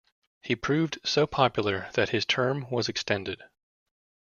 He proved so popular that his term was extended.